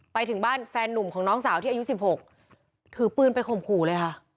ไปถึงบ้านแฟนนุ่มของน้องสาวที่อายุ๑๖ถือปืนไปข่มขู่เลยค่ะ